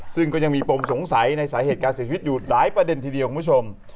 ซึ่งก็ยังมีปมสงสัยในสาเหตุการเสียชีวิตอยู่หลายประเด็นทีเดียวคุณผู้ชม